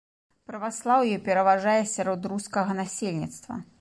Праваслаўе пераважае сярод рускага насельніцтва.